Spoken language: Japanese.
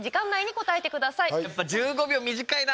やっぱ１５秒、短いな。